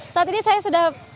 saat ini saya sudah